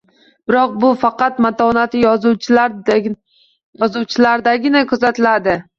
Biroq u faqat matonatli yozuvchilardagina kuzatiladi